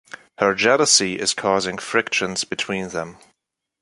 Her jealousy is causing frictions between them.